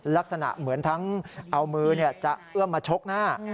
ลักษณะเหมือนทั้งเอามือจะเอื้อมมาชกหน้า